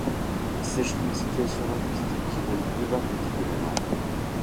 Il s’agit d’une situation linguistique qui relie deux variétés de la langue.